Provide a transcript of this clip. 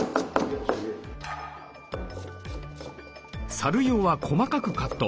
サル用は細かくカット。